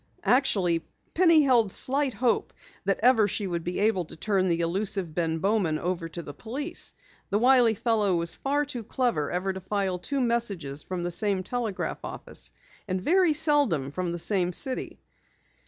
Actually, Penny held slight hope that ever she would be able to turn the elusive Ben Bowman over to the police. The wily fellow was far too clever ever to file two messages from the same telegraph office, and very seldom from the same city.